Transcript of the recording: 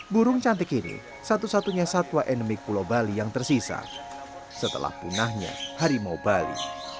burung cantik ini satu satunya satwa endemik pulau bali yang tersisa setelah punahnya harimau bali